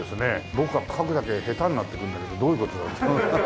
僕は書くだけ下手になっていくんだけどどういう事だろう。